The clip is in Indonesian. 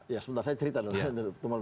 ya sebentar saya cerita dong